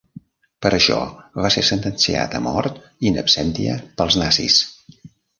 Per això, va ser sentenciat a mort in absentia pels nazis.